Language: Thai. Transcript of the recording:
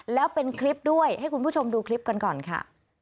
แล้วเป็นคลิปด้วยให้คุณผู้ชมดูคลิปกันก่อนค่ะ